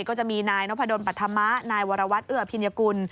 ก็จะมีนายนพดลปัธมะนายวรวัตรเอื้อพิญกุล